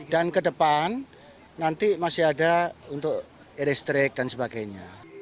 dan ke depan nanti masih ada untuk listrik dan sebagainya